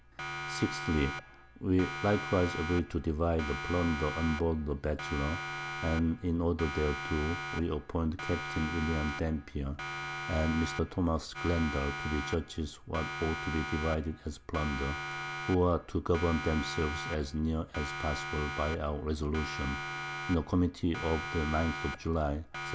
_ 6thly, We likewise agree to divide the Plunder on board the Batchelor, and in order thereto, we appoint Capt. William Dampier, and Mr. Thomas Glendall, _to be Judges what ought to be divided as Plunder, who are to govern themselves as near as possible by our Resolutions, in a Committee of the 9th of_ July, 1709.